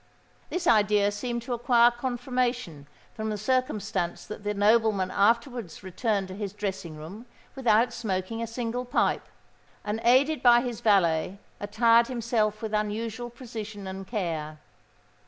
This idea seemed to acquire confirmation from the circumstance that the nobleman afterwards returned to his dressing room without smoking a single pipe, and, aided by his valet, attired himself with unusual precision and care.